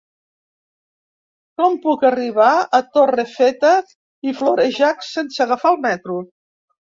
Com puc arribar a Torrefeta i Florejacs sense agafar el metro?